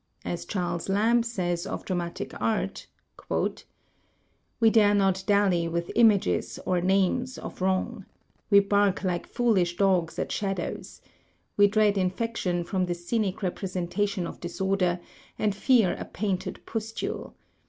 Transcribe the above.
As Charles Lamb says of dramatic art: "We dare not dally with images, or names, of wrong. We bark like foolish dogs at shadows. We dread infection from the scenic representation of disorder; and fear a painted pustule.